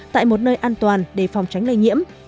tại một nơi an toàn để phòng tránh lây nhiễm